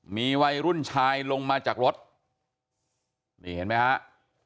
มีวัยรุ่นชายลงมาจากรถนี่เห็นไหมฮะ